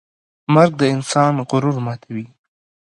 مرګ د انسان غرور ماتوي.